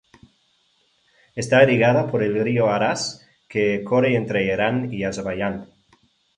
Está irrigada por el río Aras, que corre entre Irán y Azerbaiyán.